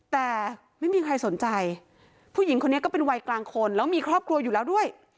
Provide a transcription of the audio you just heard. แต่ไม่มีใครสนใจผู้หญิงคนนี้ก็เป็นวัยกลางคนแล้วมีครอบครัวอยู่แล้วด้วย